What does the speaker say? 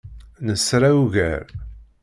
Nesra ugar.